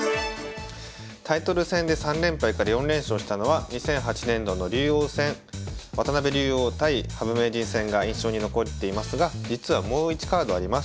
タイトル戦で３連敗から４連勝したのは２００８年度の竜王戦渡辺竜王対羽生名人戦が印象に残っていますが実はもう１カードあります。